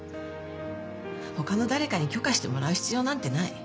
他の誰かに許可してもらう必要なんてない。